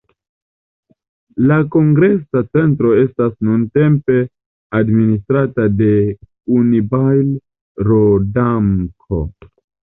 La kongresa centro estas nuntempe administrata de "Unibail-Rodamco".